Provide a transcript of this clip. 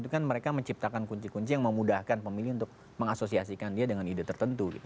itu kan mereka menciptakan kunci kunci yang memudahkan pemilih untuk mengasosiasikan dia dengan ide tertentu